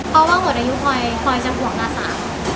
เพราะว่าหัวดายุคอยคอยจะห่วงอาสา